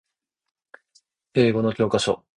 英語の教科書